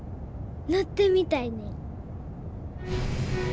乗ってみたいねん。